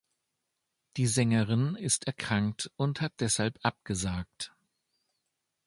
Die Sängerin ist erkrankt und hat deshalb abgesagt.